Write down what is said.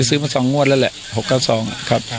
ซื้อมา๒งวดแล้วแหละ๖๙๒ครับ